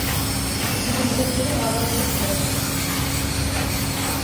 Vous devrez suivre à votre vitesse.